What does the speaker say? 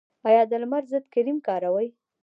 ایا د لمر ضد کریم کاروئ؟